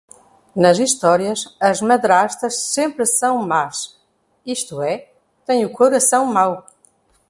Nas histórias, as madrastas sempre são más, isto é, têm o coração mau.